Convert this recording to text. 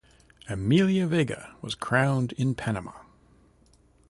Amelia Vega was crowned in Panama.